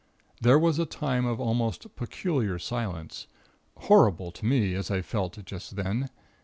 There was a time of almost peculiar silence, horrible to me, as I felt just then.